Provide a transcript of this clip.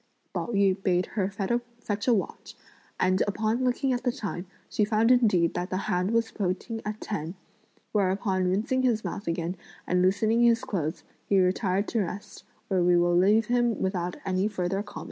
Pao yü bade her fetch a watch, and upon looking at the time, he found indeed that the hand was pointing at ten; whereupon rinsing his mouth again and loosening his clothes, he retired to rest, where we will leave him without any further comment.